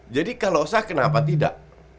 jadi kalau sah kenapa tidak